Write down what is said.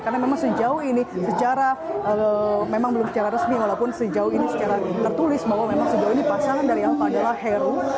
karena memang sejauh ini secara memang belum secara resmi walaupun sejauh ini secara tertulis bahwa memang sejauh ini pasangan dari alfa adalah heru